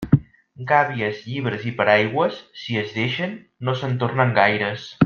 Gàbies, llibres i paraigües, si es deixen, no se'n tornen gaires.